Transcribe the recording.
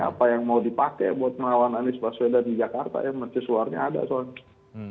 apa yang mau dipakai buat melawan anies baswedan di jakarta ya mercusuarnya ada soalnya